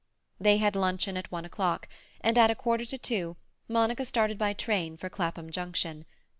They had luncheon at one o'clock, and at a quarter to two Monica started by train for Clapham Junction.